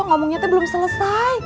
ngomongnya teh belum selesai